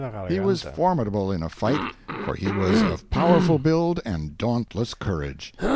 He was formidable in a fight, for he was of powerful build and dauntless courage.